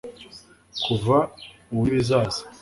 Kuva ubu nibizaza